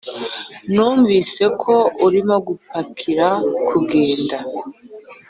numvise ko urimo gupakira kugenda!